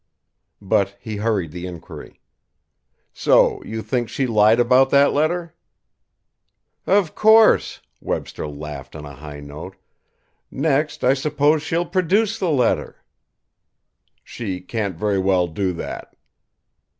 But he hurried the inquiry. "So you think she lied about that letter?" "Of course!" Webster laughed on a high note. "Next, I suppose, she'll produce the letter." "She can't very well do that."